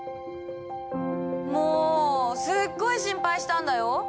もうすっごい心配したんだよ！